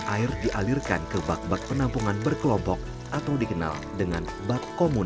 air dialirkan ke bak bak penampungan berkelompok atau dikenal sebagai bak bak penampungan